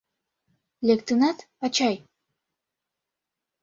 — Лектынат, ачай?